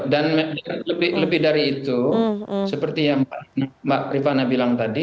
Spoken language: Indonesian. dan lebih dari itu seperti yang mbak rifana bilang tadi